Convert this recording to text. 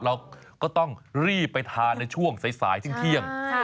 เราก็ต้องรีบไปทานในช่วงสายเที่ยง